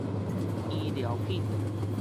醫療品